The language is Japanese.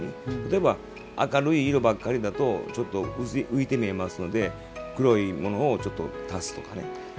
例えば明るい色ばかりだとちょっと浮いて見えますので黒いものをちょっと足すとかね。